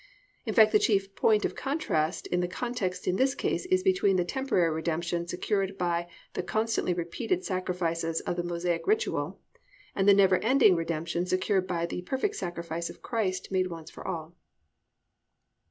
In fact, the chief point of contrast in the context in this case is between the temporary redemption secured by the constantly repeated sacrifices of the Mosaic ritual and the never ending redemption secured by the perfect sacrifice of Christ made once for all.